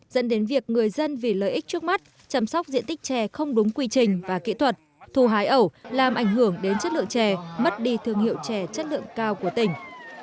dẫn đến việc người dân vì lợi ích trước mắt chăm sóc diện tích chè không đúng quy trình và kỹ thuật thù hái ẩu làm ảnh hưởng đến chất lượng chè mất đi thương hiệu chè chất lượng cao của tỉnh